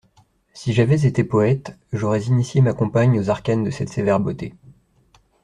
Si j'avais été poète, j'aurais initié ma compagne aux arcanes de cette sévère beauté.